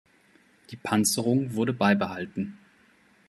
Die Panzerung wurde beibehalten.